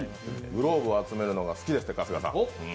グローブを集めるのが好きだって、春日さん。